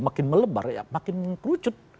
makin melebar ya makin kerucut